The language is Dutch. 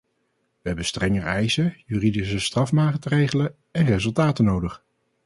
Wij hebben strengere eisen, juridische strafmaatregelen en resultaten nodig.